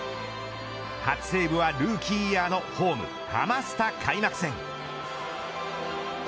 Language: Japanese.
初セーブはルーキーイヤーのホーム、ハマスタ開幕戦。